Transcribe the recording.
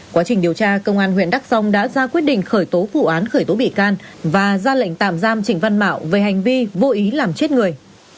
quá trình điều tra công an huyện đắk sông đã ra quyết định khởi tố vụ án khởi tố bị can và ra lệnh tạm giam trịnh văn mạo về hành vi vô ý làm chết người